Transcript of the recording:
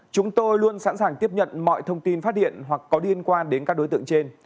chúng tôi luôn sẵn sàng tiếp nhận mọi thông tin phát điện hoặc có liên quan đến các đối tượng trên